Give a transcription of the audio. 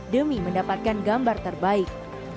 demi mendapatkan gambar terbaik